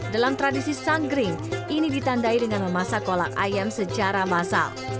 dalam tradisi sanggering ini ditandai dengan memasak kolak ayam secara massal